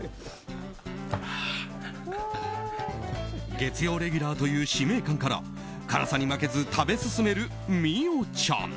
月曜レギュラーという使命感から辛さに負けず食べ進める美桜ちゃん。